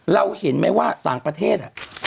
เราเห็นไหมว่าต่างประเทศ